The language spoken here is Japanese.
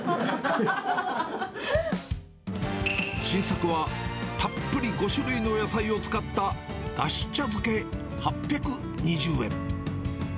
新作は、たっぷり５種類の野菜を使っただし茶漬け８２０円。